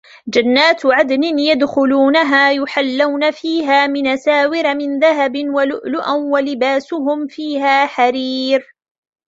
جنات عدن يدخلونها يحلون فيها من أساور من ذهب ولؤلؤا ولباسهم فيها حرير